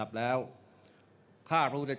เวรบัติสุภิกษ์